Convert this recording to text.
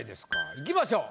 いきましょう。